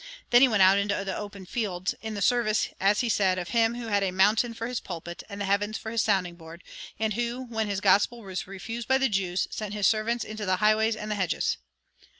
Then he went out into the open fields, in the service, as he said, of him "who had a mountain for his pulpit, and the heavens for his sounding board, and who, when his gospel was refused by the Jews, sent his servants into the highways and hedges."